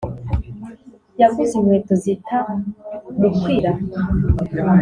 yaguze inkweto zita mukwira